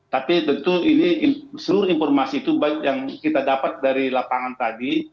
tapi tentu ini seluruh informasi itu yang kita dapat dari lapangan tadi